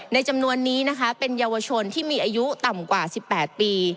จำนวนนี้นะคะเป็นเยาวชนที่มีอายุต่ำกว่า๑๘ปี